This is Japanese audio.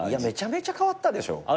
めちゃめちゃ変わったでしょ。